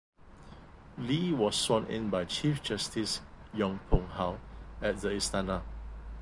Lee was sworn in by Chief Justice Yong Pung How at the Istana.